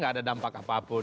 tidak ada dampak apapun